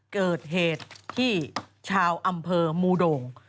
เกิดเหตุที่ชาวอำเภอมูโด่ง